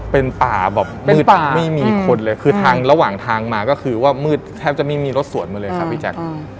เป็นป่าแบบมืดไม่มีคนเลยคือทางระหว่างทางมาก็คือว่ามืดแทบจะไม่มีรถสวนมาเลยครับพี่แจ๊ค